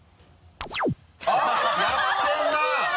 あっやってるなぁ！